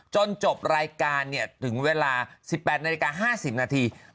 จบรายการถึงเวลา๑๘นาฬิกา๕๐นาที